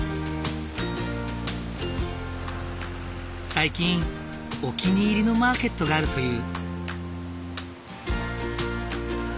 最近お気に入りのマーケットがあるという。